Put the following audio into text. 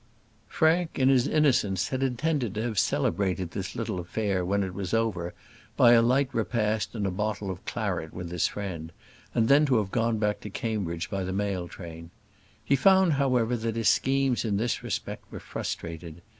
Frank, in his innocence, had intended to have celebrated this little affair when it was over by a light repast and a bottle of claret with his friend, and then to have gone back to Cambridge by the mail train. He found, however, that his schemes in this respect were frustrated.